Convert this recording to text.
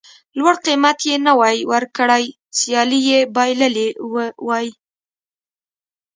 لوړ قېمت یې نه وای ورکړی سیالي یې بایللې وای.